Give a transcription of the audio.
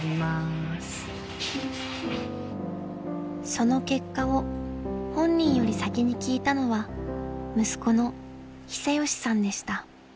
［その結果を本人より先に聞いたのは息子の寿尚さんでした］